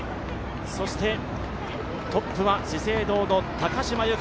そして、トップは資生堂の高島由香。